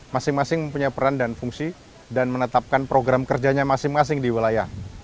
masing masing mempunyai peran dan fungsi dan menetapkan program kerjanya masing masing di wilayah